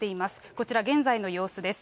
こちら、現在の様子です。